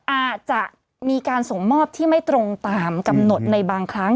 อาจจะมีการส่งมอบที่ไม่ตรงตามกำหนดในบางครั้ง